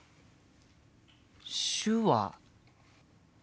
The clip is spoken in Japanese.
手話。